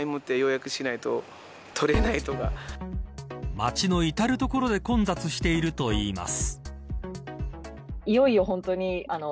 街のいたる所で混雑しているといいます。